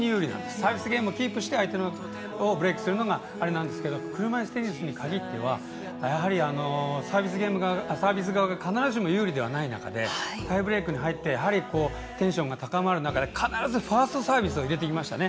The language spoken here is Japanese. サービスゲームをキープして相手をブレークするんですけど車いすテニスに限ってはやはり、サービス側が必ずしも有利ではない中でタイブレークに入ってテンションが高まる中で必ずファーストサービスを入れていきましたね。